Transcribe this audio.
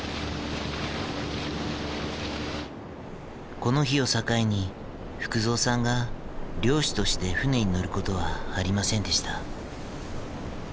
この日を境に福蔵さんが漁師として船に乗ることはありませんでした。